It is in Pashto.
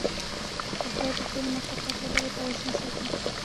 قدرت د ټولو مخلوقاتو لپاره توازن ساتي.